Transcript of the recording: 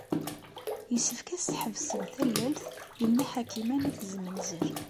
Yessefk as-tḥebsem tallalt i Nna Ḥakima n At Zmenzer.